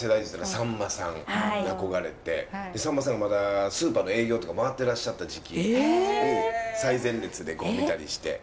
さんまさんに憧れてでさんまさんがまだスーパーの営業とか回ってらっしゃった時期に最前列でこう見たりして。